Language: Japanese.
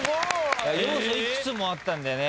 要素いくつもあったんでね